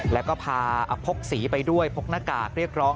แล้วก็พาพกสีไปด้วยพกหน้ากากเรียกร้อง